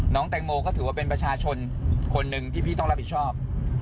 แตงโมก็ถือว่าเป็นประชาชนคนหนึ่งที่พี่ต้องรับผิดชอบ